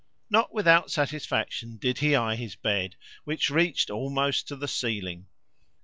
Not without satisfaction did he eye his bed, which reached almost to the ceiling.